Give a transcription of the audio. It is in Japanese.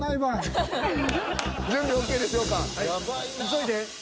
急いで。